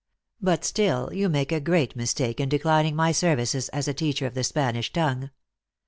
But still you make a great mistake in declin ing my services as a teacher of the Spanish tongue.